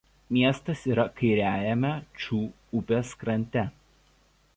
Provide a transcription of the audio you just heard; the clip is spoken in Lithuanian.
Miestas yra kairiajame Ču upės krante.